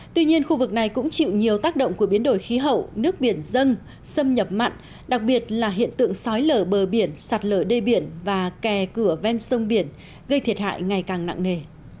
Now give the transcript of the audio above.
tuy nhiên khu vực này cũng chịu nhiều tác động của biến đổi khí hậu nước biển dân xâm nhập mặn đặc biệt là hiện tượng sói lở bờ biển sạt lở đê biển và kè cửa ven sông biển gây thiệt hại ngày càng nặng nề